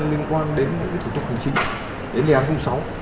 liên quan đến những thủ tục hành chính đến đề án công sáu